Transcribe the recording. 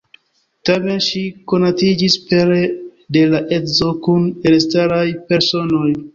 Tamen ŝi konatiĝis pere de la edzo kun elstaraj personoj.